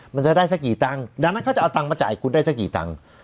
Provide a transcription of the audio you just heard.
มันจะได้สักกี่ตังค์ดังนั้นเขาจะเอาตังค์มาจ่ายคุณได้สักกี่ตังค์